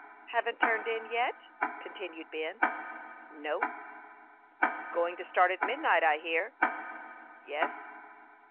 Haven't turned in yet ?" continued Ben. "No." " Going to start at midnight, I hear." " Yes."